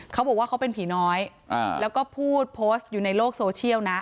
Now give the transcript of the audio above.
เขาบอกว่าเขาเป็นผีน้อยแล้วก็พูดโพสต์อยู่ในโลกโซเชียลนะ